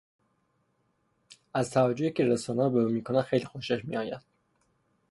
از توجهی که رسانهها به او میکنند خیلی خوشش میآید.